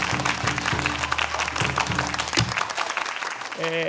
え